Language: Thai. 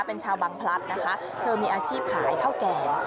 เป็นชาวบังพลัดนะคะเธอมีอาชีพขายข้าวแก่